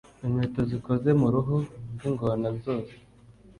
Inkweto zikoze mu ruhu rw’ingona zo se